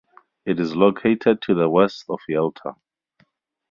It is located to the west of Yalta.